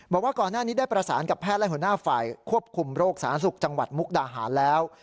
บอกว่าก่อนหน้านี้ได้ประสานกับแพทย์และหัวหน้าฝ่ายควบคุมโรคสาธารณสุขจังหวัดมุกดาหารแล้ว